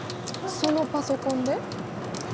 そのパソコンで？